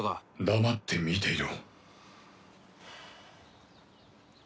黙って見ていろ。